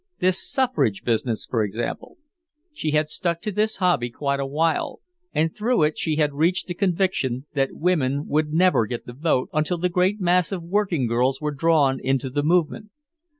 This suffrage business, for example. She had stuck to this hobby quite a while, and through it she had reached the conviction that women would never get the vote until the great mass of working girls were drawn into the movement.